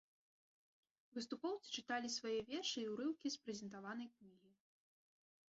Выступоўцы чыталі свае вершы і ўрыўкі з прэзентаванай кнігі.